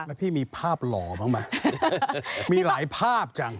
แล้วพี่มีภาพหล่อบ้างไหมมีหลายภาพจัง